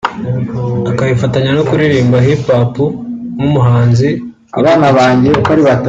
akabifatanya no kuririmba Hip Hop nk’umuhanzikazi ku giti cye